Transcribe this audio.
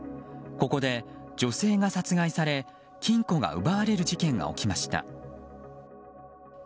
ここで女性が殺害され金庫が奪われる事件が起きました。